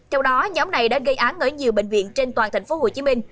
trong đó nhóm này đã gây án ở nhiều bệnh viện trên toàn thành phố hồ chí minh